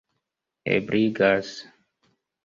ebligas